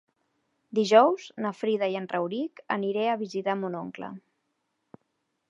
Dijous na Frida i en Rauric aniré a visitar mon oncle.